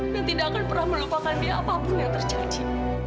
dan tidak akan pernah melupakan dia apapun yang terjanji